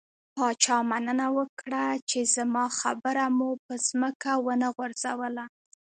پاچا مننه وکړه، چې زما خبره مو په ځمکه ونه غورځوله.